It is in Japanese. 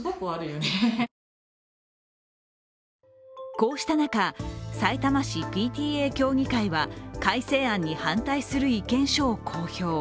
こうした中、さいたま市ＰＴＡ協議会は改正案に反対する意見書を公表。